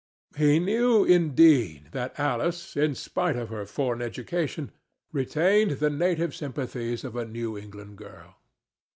He knew, indeed, that Alice, in spite of her foreign education, retained the native sympathies of a New England girl.